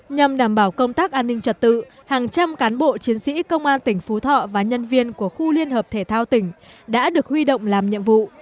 nhằm đảm bảo công tác an ninh trật tự hàng trăm cán bộ chiến sĩ công an tỉnh phú thọ và nhân viên của khu liên hợp thể thao tỉnh đã được huy động làm nhiệm vụ